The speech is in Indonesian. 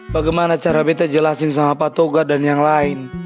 bagaimana cara bete jelasin sama pak toga dan yang lain